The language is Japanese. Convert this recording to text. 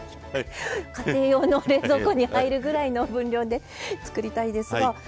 家庭用の冷蔵庫に入るぐらいの分量で作りたいですが。